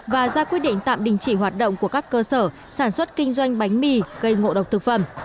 và ra quyết định tạm đình chỉ hoạt động của các cơ sở sản xuất kinh doanh bánh mì gây ngộ độc thực phẩm